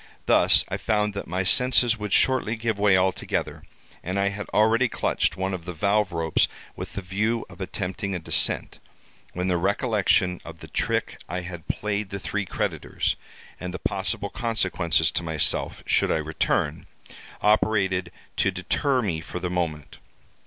Thus I found that my senses would shortly give way altogether, and I had already clutched one of the valve ropes with the view of attempting a descent, when the recollection of the trick I had played the three creditors, and the possible consequences to myself, should I return, operated to deter me for the moment.